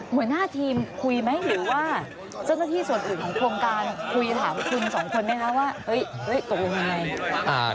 หัวหน้าทีมคุยไหมหรือว่าเจ้าหน้าที่ส่วนอื่นของโครงการคุยถามคุณสองคนไหมคะว่าตกลงยังไง